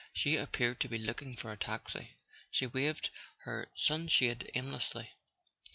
She appeared to be looking for a taxi—she waved her sunshade aimlessly.